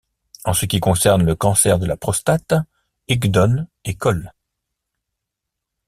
En ce qui concerne le cancer de la prostate, Higdon et coll.